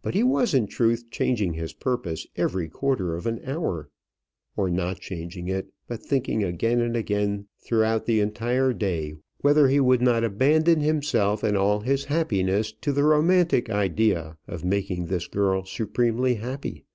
But he was, in truth, changing his purpose every quarter of an hour; or not changing it, but thinking again and again throughout the entire day whether he would not abandon himself and all his happiness to the romantic idea of making this girl supremely happy.